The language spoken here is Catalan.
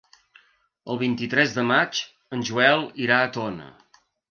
El vint-i-tres de maig en Joel irà a Tona.